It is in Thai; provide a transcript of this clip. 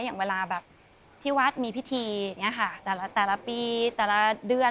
อย่างเวลาแบบที่วัดมีพิธีอย่างนี้ค่ะแต่ละปีแต่ละเดือน